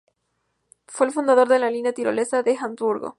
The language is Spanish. Fue el fundador de la línea tirolesa de Habsburgo.